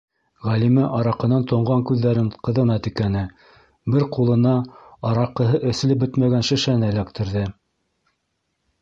- Ғәлимә араҡынан тонған күҙҙәрен ҡыҙына текәне, бер ҡулына араҡыһы эселеп бөтмәгән шешәне эләктерҙе.